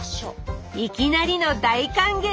いきなりの大歓迎